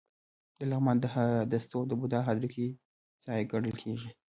د لغمان د هده ستوپ د بودا د هډوکو ځای ګڼل کېږي